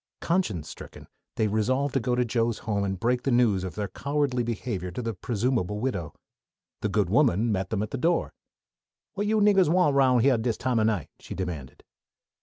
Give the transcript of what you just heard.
Conscience stricken, they resolved to go to Joe's home and break the news of their cowardly behavior to the presumable widow. The good woman met them at the door. "What yo' niggahs want round here dis time o' night?" she demanded.